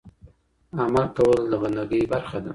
عمل کول د بندګۍ برخه ده.